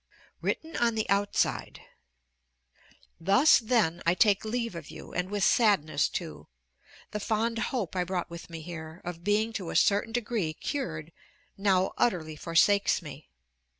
[Written on the outside.] Thus, then, I take leave of you, and with sadness too. The fond hope I brought with me here, of being to a certain degree cured, now utterly forsakes me.